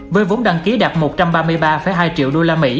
với vốn đăng ký đạt một trăm ba mươi ba hai triệu usd